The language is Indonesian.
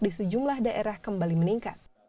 di sejumlah daerah kembali meningkat